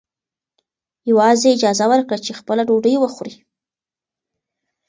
یوازې یې اجازه ورکړه چې خپله ډوډۍ وخوري.